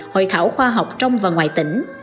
hội thảo khoa học trong và ngoài tỉnh